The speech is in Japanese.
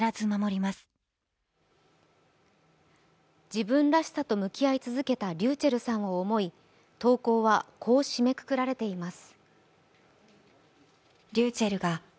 自分らしさと向き合い続けたｒｙｕｃｈｅｌｌさんを思い投稿は、こう締めくくられています。